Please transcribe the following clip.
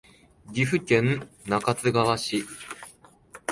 岐阜県中津川市